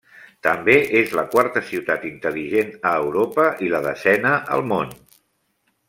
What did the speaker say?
També és la quarta ciutat intel·ligent a Europa i la desena al món.